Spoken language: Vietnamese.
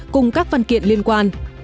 cùng các văn kiện liên quan